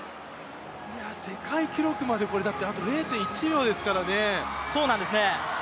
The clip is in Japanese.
世界記録まで、あと０．１秒ですからね。